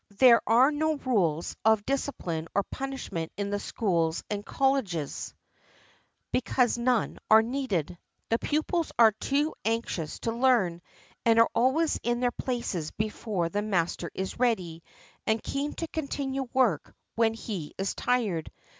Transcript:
There are no rules of discipline or punishment in the schools and colleges, because none are needed. The pupils are only too anx ious to learn, and are always in their places before the master is ready, and keen to continue work when he is tired.